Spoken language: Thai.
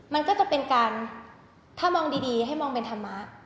มันก็จะเป็นการถ้ามองดีให้มองเป็นธรรมะ